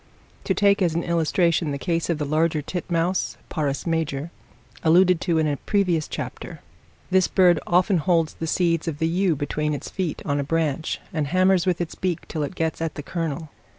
To take as an illustration the case of the larger titmouse, (Parus major) alluded to in a previous chapter; this bird often holds the seeds of the yew between its feet on a branch, and hammers with its beak till it gets at the kernel.